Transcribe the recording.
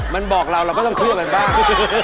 มันบอกเราเราก็ต้องเชื่อมันบ้าง